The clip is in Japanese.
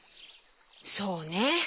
そうね。